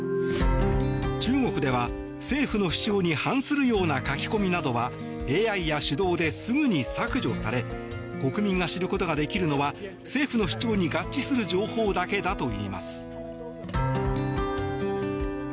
中国では、政府の主張に反するような書き込みなどはＡＩや手動で、すぐに削除され国民が知ることができるのは政府の主張に合致する情報だけだといいます。